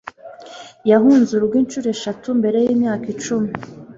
Yahunze urugo inshuro eshatu mbere yimyaka icumi